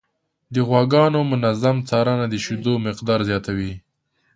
د غواګانو منظم څارنه د شیدو مقدار زیاتوي.